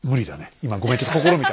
今ごめんちょっと試みた。